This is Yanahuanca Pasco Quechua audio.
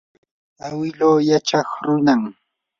awilu yachaw runam.